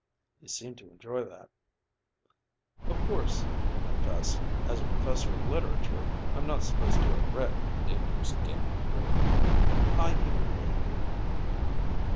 He seemed to enjoy that. "Of course," he confessed, "as a professor of literature I'm not supposed to have read Dangerous Dan McGrew." "Are you a native?"